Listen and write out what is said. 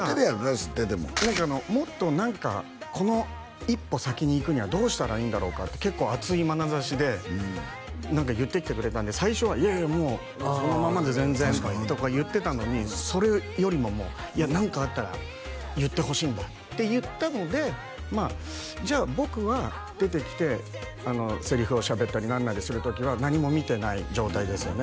知ってても何かもっと何かこの１歩先に行くにはどうしたらいいんだろうかって結構熱いまなざしで言ってきてくれたんで最初はいやいやもうそのままで全然とか言ってたのにそれよりももう何かあったら言ってほしいんだって言ったのでじゃあ僕は出てきてセリフをしゃべったり何なりする時は何も見てない状態ですよね？